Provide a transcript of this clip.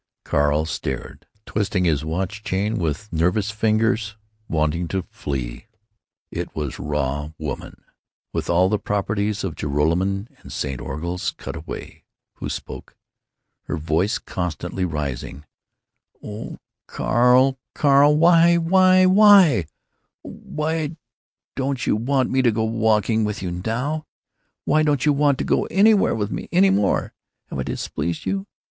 Carl stared, twisting his watch chain with nervous fingers, wanting to flee. It was raw woman, with all the proprieties of Joralemon and St. Orgul's cut away, who spoke, her voice constantly rising: "Oh, Carl—Carl! Oh, why, why, why! Oh, why don't you want me to go walking with you, now? Why don't you want to go anywhere with me any more? Have I displeased you?